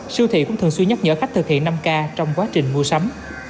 siêu thị cũng thường xuyên nhắc nhở khách thực hiện năm k trong quá trình mua sắm